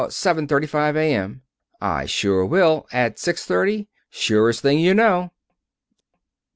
Seven thirty five A.M. I sure will. At six thirty? Surest thing you know."